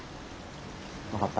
分かった。